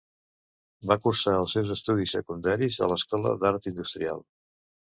Va cursar els seus estudis secundaris a l'Escola d'Art Industrial.